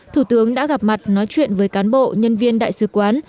thủ tướng đã gặp mặt nói chuyện với cán bộ nhân viên đại sứ quán